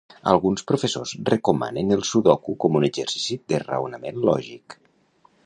Alguns professors recomanen el sudoku com un exercici de raonament lògic.